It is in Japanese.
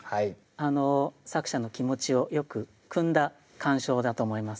作者の気持ちをよくくんだ鑑賞だと思います